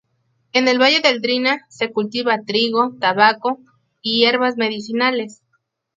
En el valle del Drina, se cultiva trigo, tabaco y hierbas medicinales.